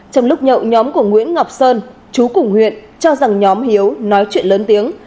trong lúc nhậu nhóm của nguyễn ngọc sơn chú cùng huyện cho rằng nhóm hiếu nói chuyện lớn tiếng